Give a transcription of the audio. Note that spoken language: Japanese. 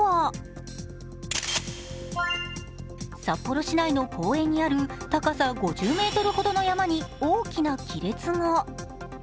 札幌市内の公園にある高さ５０ｍほどの山に大きな亀裂が。